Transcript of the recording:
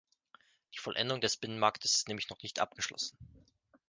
Die Vollendung des Binnenmarktes ist nämlich noch nicht abgeschlossen.